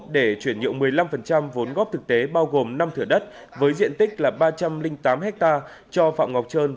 để chuyển nhượng một mươi năm vốn góp thực tế bao gồm năm thửa đất với diện tích là ba trăm linh tám ha cho phạm ngọc trơn